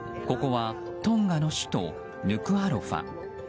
ここはトンガの首都ヌクアロファ。